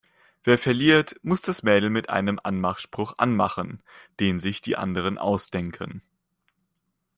Wer verliert, muss das Mädel mit einem Anmachspruch anmachen, den sich die anderen ausdenken.